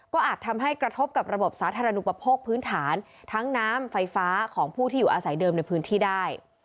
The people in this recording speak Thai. ก็อาจทำให้กระทบกับระบบสาธารณูปโภคพื้นฐานทั้งน้ำไฟฟ้าของผู้ที่อยู่อาศัยเดิมในพื้นที่ได้